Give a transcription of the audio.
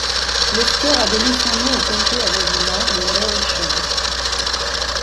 L'estuaire a donné son nom au comté avoisinant, le Morayshire.